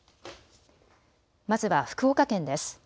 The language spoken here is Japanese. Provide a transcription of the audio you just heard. まずは福岡県です。